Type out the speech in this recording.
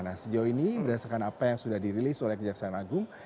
nah sejauh ini berdasarkan apa yang sudah dirilis oleh kejaksaan agung